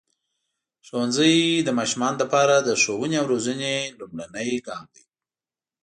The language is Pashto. ښوونځی د ماشومانو لپاره د ښوونې او روزنې لومړنی ګام دی.